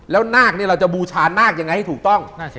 แล้วนาคเราจะบูชานาคยังไงให้ถูกต้อง